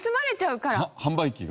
販売機が？